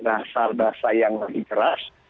rasal bahasa yang lebih keras